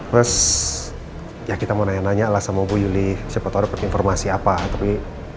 terus ya kita mau nanya nanya alas sama bu yuli siapa tau dapat informasi apa tapi